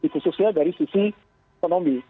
khususnya dari sisi ekonomi